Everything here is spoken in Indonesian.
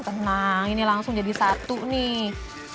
tenang ini langsung jadi satu nih